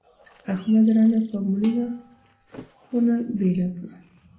احمد رانه په مړینه خونه بېله کړه.